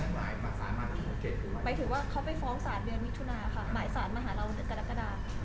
หมายถึงว่าเขาไปฟ้องศาลเดือนมิถุนาค่ะหมายสารมาหาเราเดือนกรกฎา